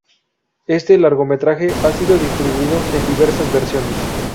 Este largometraje ha sido distribuido en diversas versiones.